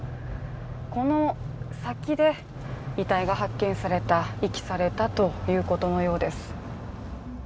この先で遺体が発見された遺棄されたということのようです。